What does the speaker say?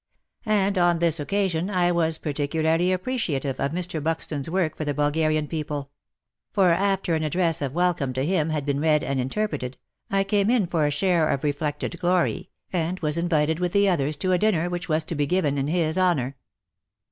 And on this occasion I was particularly appre ciative of Mr. Buxton's work for the Bulgarian people ; for after an address of welcome to him had been read and interpreted, I came in for a share of reflected glory, and was invited with the others to a dinner which was to be given in his honour.